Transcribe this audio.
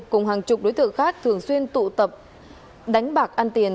cùng hàng chục đối tượng khác thường xuyên tụ tập đánh bạc ăn tiền